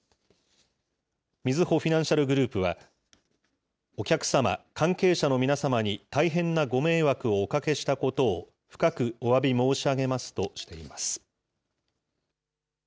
みずほフィナンシャルグループは、お客様、関係者の皆様に大変なご迷惑をおかけしたことを、深くおわび申し上げますとしています。